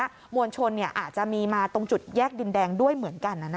โดยส่วนชนเนี่ยอาจจะมีมาตรงจุดแยกดินแดงด้วยเหมือนกัน